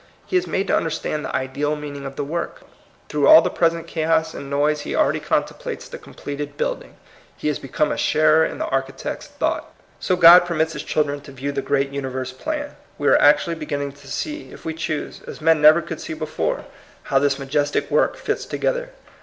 He is made to under stand the ideal meaning of the work *, through all the present chaos and noise he already contemplates the completed building. He has become a sharer in the architect's thought. So God permits his children to view the great universe plan. We are actually be ginning to see, if we choose, as men never could see before, how this majestic work fits together.